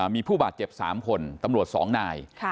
มีผู้บาดเจ็บ๓คนตำรวจ๒นาย